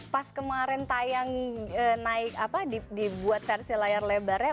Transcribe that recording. pas kemarin tayang naik apa dibuat versi layar lebarnya